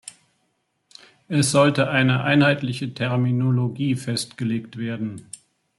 Es sollte eine einheitliche Terminologie festgelegt werden.